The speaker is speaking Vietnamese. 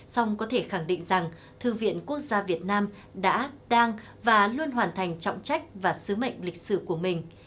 song có thể khẳng định rằng thư viện quốc gia việt nam đã đang và luôn hoàn thành trọng trách và sứ mệnh lịch sử của mình